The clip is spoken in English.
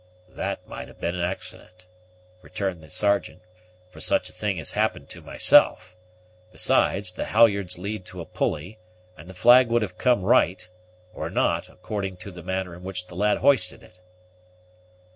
"That might have been accident," returned the Sergeant, "for such a thing has happened to myself; besides, the halyards lead to a pulley, and the flag would have come right, or not, according to the manner in which the lad hoisted it."